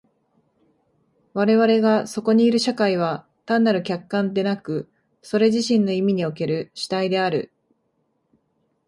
我々がそこにいる社会は単なる客観でなく、それ自身の意味における主体である。